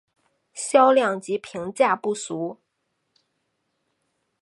销量及评价不俗。